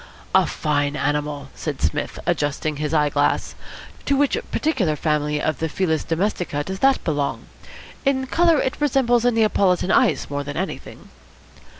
"A fine animal," said Psmith, adjusting his eyeglass. "To which particular family of the Felis Domestica does that belong? In colour it resembles a Neapolitan ice more than anything."